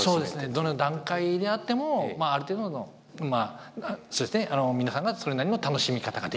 どの段階であってもある程度のそして皆さんがそれなりの楽しみ方ができると。